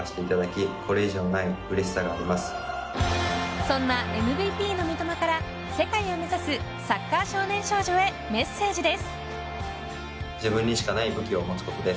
そんなＭＶＰの三笘から世界を目指すサッカー少年少女へメッセージです。